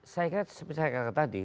saya kira seperti saya katakan tadi